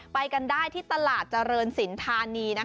ไปกันได้ที่ตลาดเจริญสินธานี